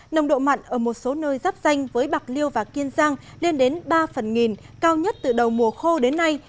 nồng độ mặn ở một số nơi giáp danh với bạc liêu và kiên giang lên đến ba phần nghìn cao nhất từ đầu mùa khô đến nay